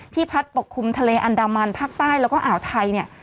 พัดปกคลุมทะเลอันดามันภาคใต้แล้วก็อ่าวไทยเนี่ย